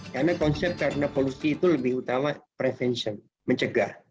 karena konsep karena polusi itu lebih utama prevention mencegah